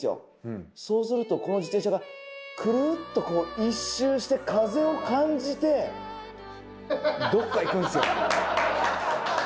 そうするとこの自転車がくるっと一周して風を感じてどっか行くんですよ。